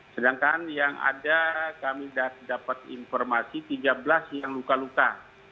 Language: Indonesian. sedangkan yang ada kami dapat informasi tiga belas yang luka luka